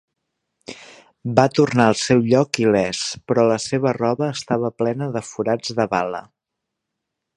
Va tornar al seu lloc il·lès, però la seva roba estava plena de forats de bala.